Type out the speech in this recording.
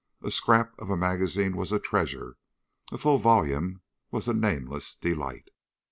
A scrap of a magazine was a treasure. A full volume was a nameless delight.